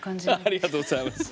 ありがとうございます。